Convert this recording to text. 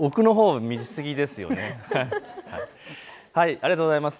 ありがとうございます。